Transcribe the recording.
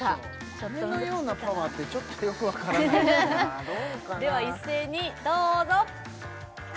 サメのようなパワーってちょっとよくわからないでは一斉にどうぞ！